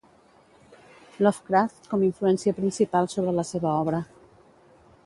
Lovecraft com influència principal sobre la seva obra.